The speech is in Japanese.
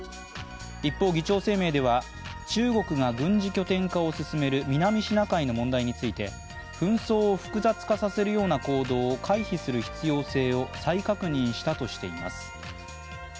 一方、議長声明では中国が軍事拠点化を進める南シナ海の問題について紛争を複雑化させるような行動を回避する必要性を再確認したとしています。